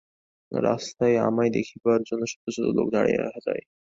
রাস্তায় আমায় দেখিবার জন্য শত শত লোক দাঁড়াইয়া যায়।